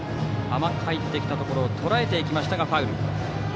甘く入ってきたところをとらえましたがファウル。